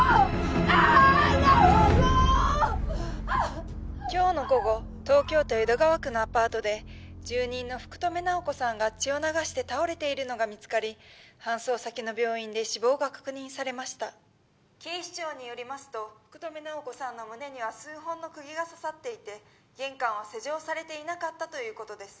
ああ今日の午後東京都江戸川区のアパートで住人の福留奈保子さんが血を流して倒れているのが見つかり搬送先の病院で死亡が確認されました警視庁によりますと福留奈保子さんの胸には数本の釘が刺さっていて玄関は施錠されていなかったということです